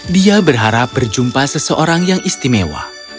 dia berharap berjumpa seseorang yang istimewa